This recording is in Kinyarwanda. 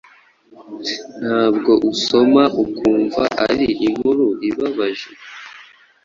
Nubwo usoma ukumva ari inkuru ibabaje,